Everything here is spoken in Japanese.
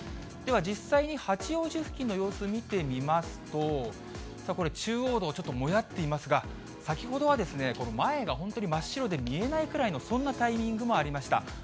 では実際に八王子付近の様子を見てみますと、これ、中央道、ちょっともやっていますが、先ほどはこの前が本当に真っ白で見えないくらいのそんなタイミングもありました。